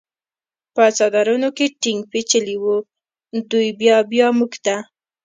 په څادرونو کې ټینګ پېچلي و، دوی بیا بیا موږ ته.